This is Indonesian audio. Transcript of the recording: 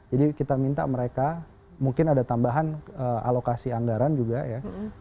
jadi kita minta mereka mungkin ada tambahan alokasi anggaran juga ya